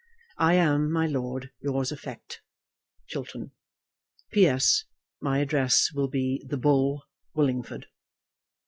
I am, my lord, yours affect., CHILTERN. P.S. My address will be "The Bull, Willingford."